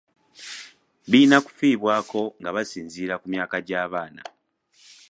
Birina kufiibwako nga basinziira ku myaka gy’abaana.